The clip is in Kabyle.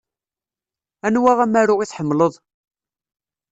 Anwa amaru i tḥemmleḍ?